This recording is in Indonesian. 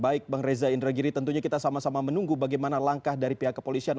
baik bang reza indragiri tentunya kita sama sama menunggu bagaimana langkah dari pihak kepolisian